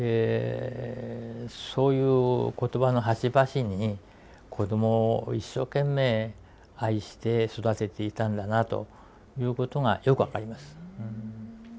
そういう言葉の端々に子どもを一生懸命愛して育てていたんだなということがよく分かります。